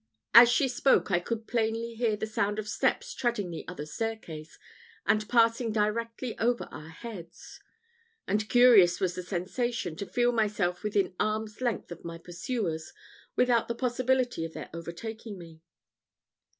As she spoke, I could plainly hear the sound of steps treading the other staircase, and passing directly over our heads; and curious was the sensation, to feel myself within arm's length of my pursuers, without the possibility of their overtaking me.